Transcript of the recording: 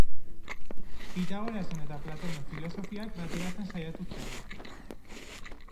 Pitagorasen eta Platonen filosofiak bateratzen saiatu zen.